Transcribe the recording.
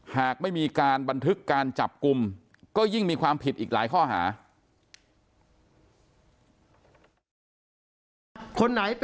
หากไม่มีการบันทึกการจับกลุ่มก็ยิ่งมีความผิดอีกหลายข้อหา